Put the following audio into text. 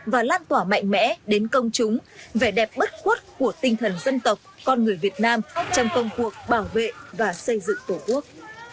và lan tỏa mạnh mẽ đến công chúng vẻ đẹp bất quất của tinh thần dân tộc con người việt nam trong công cuộc bảo vệ và xây dựng tổ quốc